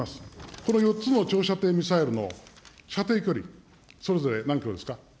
この４つの長射程ミサイルの射程距離、それぞれ何キロですか。